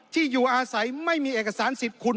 ที่อยู่อาศัยไม่มีเอกสารสิทธิ์คุณ